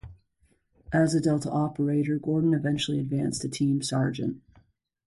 As a Delta operator, Gordon eventually advanced to Team Sergeant.